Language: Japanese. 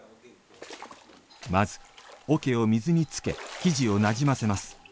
まず桶を水に漬け生地を馴染ませます。